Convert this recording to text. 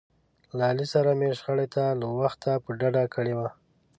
له علي سره مې شخړې ته له وخته په ډډه کړي و.